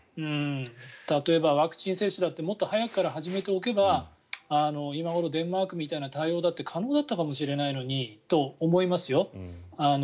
例えばワクチン接種だってもっと早くから始めておけば今頃デンマークみたいな対応だって可能だったかもしれないのにと思いますよ。